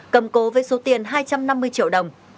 cầm cố với số tiền hai trăm năm mươi triệu đồng